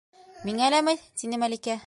«Миңә ләме?!» - тине Мәликә.